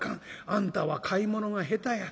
あんたは買い物が下手や』。